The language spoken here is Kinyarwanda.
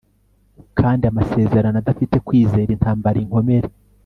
Kandi amasezerano adafite kwizera intambara inkomere